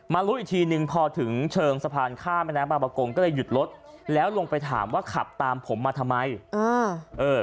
รู้อีกทีนึงพอถึงเชิงสะพานข้ามแม่น้ำบางประกงก็เลยหยุดรถแล้วลงไปถามว่าขับตามผมมาทำไมอ่าเออ